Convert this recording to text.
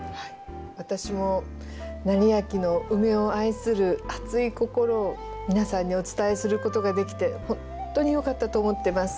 私も斉昭のウメを愛する熱い心を皆さんにお伝えすることができてほんとによかったと思ってます。